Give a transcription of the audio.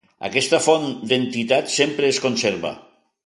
Aquesta font d'entitat sempre es conserva.